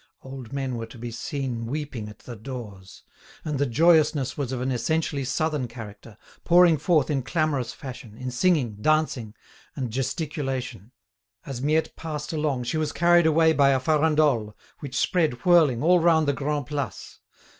Old men were to be seen weeping at the doors. And the joyousness was of an essentially Southern character, pouring forth in clamorous fashion, in singing, dancing, and gesticulation. As Miette passed along she was carried away by a _farandole_[*] which spread whirling all round the Grand' Place.